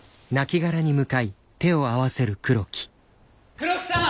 ・黒木さん！